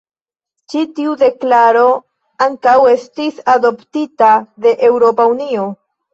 Ĉi tiu deklaro ankaŭ estis adoptita de Eŭropa Unio.